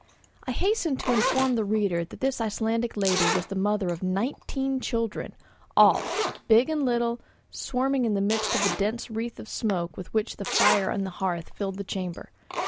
I hasten to inform the reader that this Icelandic lady was the mother of nineteen children, all, big and little, swarming in the midst of the dense wreaths of smoke with which the fire on the hearth filled the chamber.